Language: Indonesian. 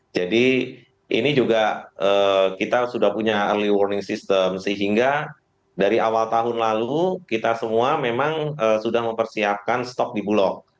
jadi ini juga kita sudah punya early warning system sehingga dari awal tahun lalu kita semua memang sudah mempersiapkan stok di bulog